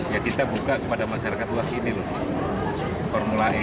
ya kita buka kepada masyarakat luas ini loh